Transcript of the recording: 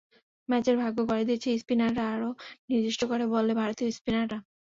ম্যাচের ভাগ্য গড়ে দিয়েছেন স্পিনাররা, আরও নির্দিষ্ট করে বললে ভারতীয় স্পিনাররা।